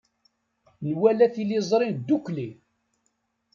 Nwala tiliẓri ddukkli.